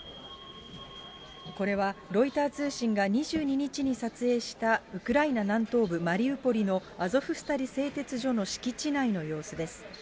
これは、ロイター通信が２２日に撮影したウクライナ南東部マリウポリのアゾフスタリ製鉄所の敷地内の様子です。